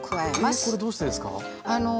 えこれどうしてですか？